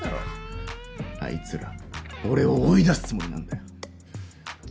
あいつら俺を追い出すつもりなんだよ。